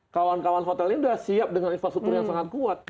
kawan kawan hotel ini sudah siap dengan infrastruktur yang sangat kuat